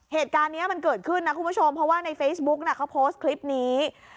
เหตุการณ์นี้มันเกิดขึ้นนะคุณผู้ชมเพราะว่าในเฟซบุ๊กน่ะเขาโพสต์คลิปนี้